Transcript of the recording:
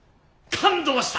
感動した！